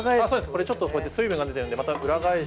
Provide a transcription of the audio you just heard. これちょっと水分が出てるんでまた裏返して。